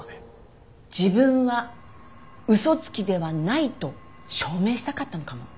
自分は嘘つきではないと証明したかったのかも。